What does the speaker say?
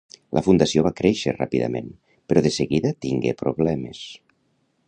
La fundació va créixer ràpidament, però de seguida tingué problemes.